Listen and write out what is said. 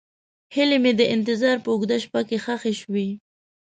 هیلې مې د انتظار په اوږده شپه کې ښخې شوې.